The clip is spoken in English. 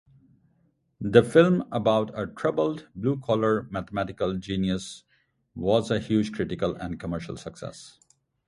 The film-about a troubled, blue-collar mathematical genius-was a huge critical and commercial success.